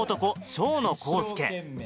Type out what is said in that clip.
笙野浩介